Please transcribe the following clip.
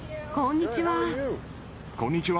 こんにちは。